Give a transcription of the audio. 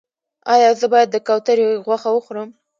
ایا زه باید د کوترې غوښه وخورم؟